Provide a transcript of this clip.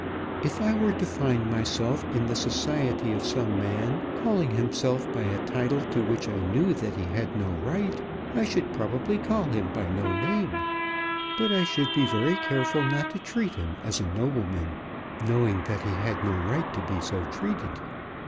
"If I were to find myself in the society of some man calling himself by a title to which I knew that he had no right, I should probably call him by no name; but I should be very careful not to treat him as a nobleman, knowing that he had no right to be so treated.